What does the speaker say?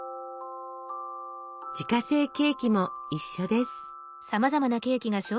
自家製ケーキも一緒です。